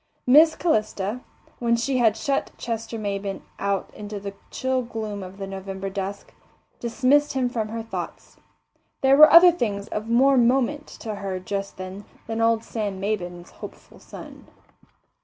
Miss Calista, when she had shut Chester Maybin out into the chill gloom of the November dusk, dismissed him from her thoughts. There were other things of more moment to her just then than old Sam Maybin's hopeful son.